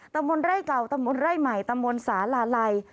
ตำบลไร่เก่าตำบลไร่ใหม่ตำบลสาหร่าไล่